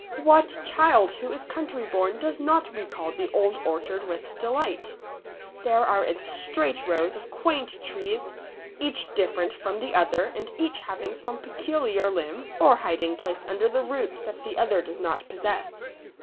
What child who is country born does ntot re call the old orchard with delight ? There are its straight rows of quaint trees, each different from the other and each having some peculiar limb, or hiding place under the roots that the other does not possess.